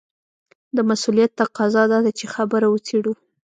د مسووليت تقاضا دا ده چې خبره وڅېړو.